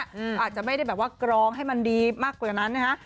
อาจจะไม่ได้แบบว่ากรองให้มันดีมากกว่านั้นนะฮะ